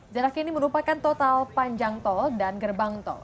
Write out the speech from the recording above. jarak ini merupakan total panjang tol dan gerbang tol